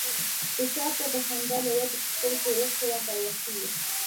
د چا به د خندا له وجې په سترګو کې اوښکې را پيدا شوې.